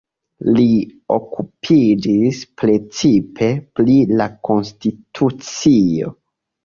Li okupiĝis precipe pri la konstitucio.